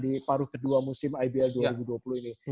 di paruh kedua musim ibl dua ribu dua puluh ini